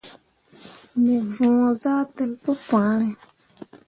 Me võo zan tel pu pããre.